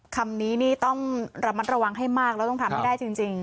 ขำนี้ต้องระวังให้มากแล้วต้องทำไม่ได้จริง